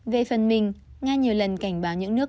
về phần mình nga nhiều lần cảnh báo những nước